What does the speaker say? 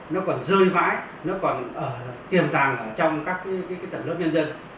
nó còn rơi vãi nó còn tiềm tàng trong các tầng lớp viên dân